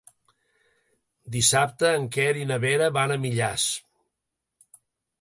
Dissabte en Quer i na Vera van a Millars.